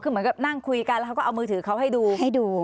เหมือนกับนั่งคุยกันแล้วก็เอามือถือเขาให้ดู